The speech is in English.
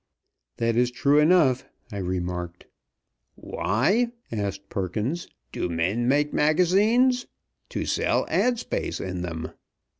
"That is true enough," I remarked. "Why," asked Perkins, "do men make magazines? To sell ad. space in them!